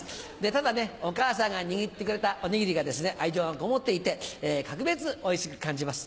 ただねお母さんが握ってくれたおにぎりが愛情がこもっていて格別おいしく感じます